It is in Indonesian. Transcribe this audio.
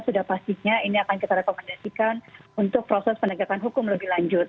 sudah pastinya ini akan kita rekomendasikan untuk proses penegakan hukum lebih lanjut